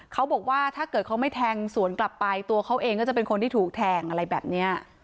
เขาบอกว่าถ้าเกิดเขาไม่แทงสวนกลับไปตัวเขาเองก็จะเป็นคนที่ถูกแทงอะไรแบบนี้